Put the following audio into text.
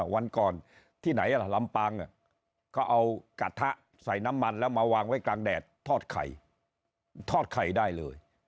วันก่อนที่ไหนล่ะลำปางก็เอากระทะใส่น้ำมันแล้วมาวางไว้กลางแดดทอดไข่ทอดไข่ได้เลย